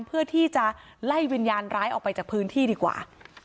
เพื่อที่จะไล่วิญญาณร้ายออกไปจากพื้นที่ดีกว่า